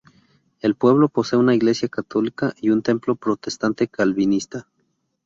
El pueblo posee una iglesia católica y un templo protestante calvinista.